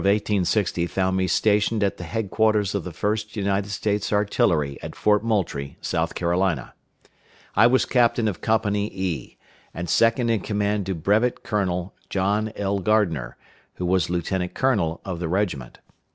The summer of 1860 found me stationed at the head quarters of the First United States Artillery at Fort Moultrie, South Carolina. I was captain of Company E, and second in command to Brevet Colonel John L. Gardner, who was lieutenant colonel of the regiment.